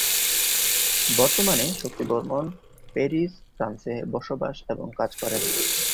বর্তমানে শক্তি বর্মণ প্যারিস, ফ্রান্সে বসবাস এবং কাজ করেন।